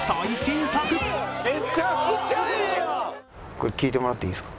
これ聞いてもらっていいですか？